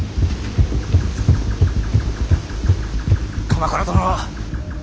鎌倉殿は？